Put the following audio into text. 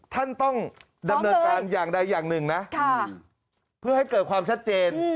ท่านต้องดำเนินการอย่างใดอย่างหนึ่งนะเพื่อให้เกิดความชัดเจน